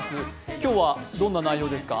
今日はどんな内容ですか？